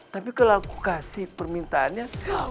tapi kalau aku kasih permintaannya